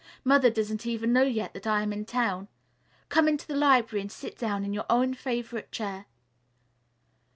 Mother doesn't even know yet that I am in town. Come into the library and sit down in your own favorite chair."